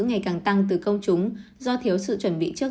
ngày càng tăng từ công chúng do thiếu sự chuẩn bị trước